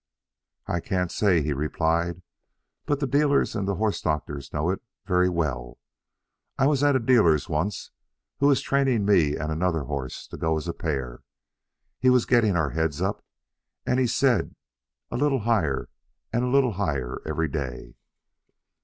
"I can't say," he replied, "but the dealers and the horse doctors know it very well. I was at a dealer's once, who was training me and another horse to go as a pair; he was getting our heads up, and he said, a little higher and a little higher every day.